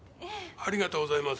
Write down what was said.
ありがとうございます。